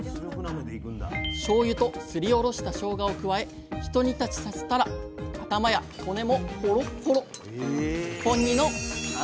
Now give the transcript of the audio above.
しょうゆとすりおろしたしょうがを加えひと煮立ちさせたら頭や骨もホロッホロッ！